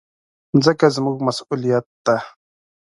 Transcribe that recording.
مځکه زموږ مسؤلیت ده.